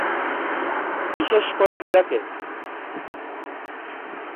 বিশেষ করে ইরাকে।